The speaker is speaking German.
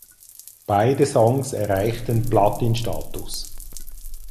Beide Songs erreichten Platinstatus.